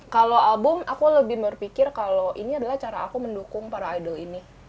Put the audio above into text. kalau album aku lebih berpikir kalau ini adalah cara aku mendukung para idol ini